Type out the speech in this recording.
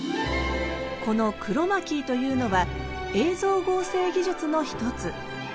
この「クロマキー」というのは映像合成技術の一つ。